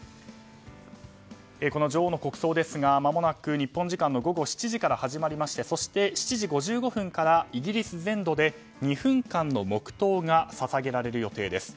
この女王の国葬ですがまもなく日本時間の午後７時から始まりまして、７時５５分からイギリス全土で、２分間の黙祷が捧げられる予定です。